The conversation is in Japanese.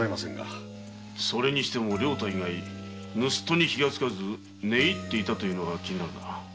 それにしても良太以外盗っ人に気づかず寝入っていたというのが気になるな。